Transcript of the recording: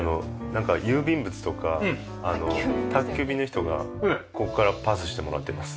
郵便物とか宅急便の人がここからパスしてもらってます。